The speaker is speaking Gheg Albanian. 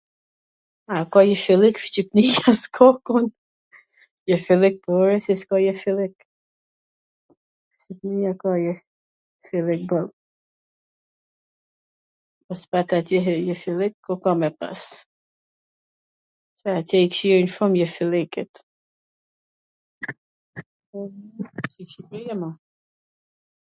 A ka jeshillik Shqipnia? S ka kund. Jeshillik, po ore, si s ka jeshillik, ... po s pati atje jeshillik, ku ka me pas? Se atje i kqyrin shum jeshilliket.